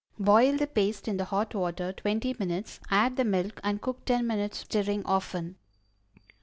Boil the paste in the hot water twenty minutes; add the milk and cook ten minutes more, stirring often.